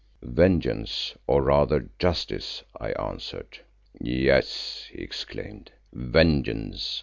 "Vengeance, or rather justice," I answered. "Yes," he exclaimed, "vengeance.